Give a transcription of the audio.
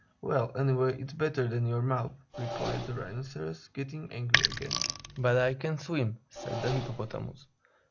"Well, anyway it's better than your mouth," replied the Rhinoceros, getting angry again. "But I can swim!" said the Hippopotamus.